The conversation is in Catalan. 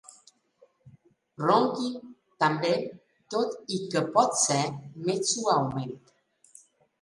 Ronqui, també, tot i que potser més suaument.